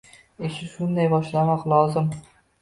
Ishni shundan boshlamoq lozim.